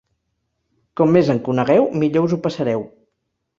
Com més en conegueu, millor us ho passareu.